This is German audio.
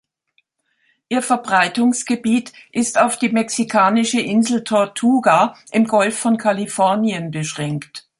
Ihr Verbreitungsgebiet ist auf die mexikanische Insel Tortuga im Golf von Kalifornien beschränkt.